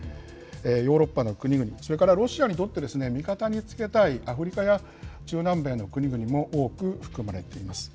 ヨーロッパの国々、それからロシアにとって味方につけたいアフリカや中南米の国々も多く含まれています。